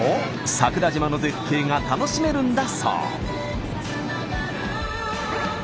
桜島の絶景が楽しめるんだそう。